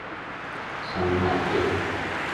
ขันหมากเอก